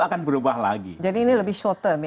akan berubah lagi jadi ini lebih short term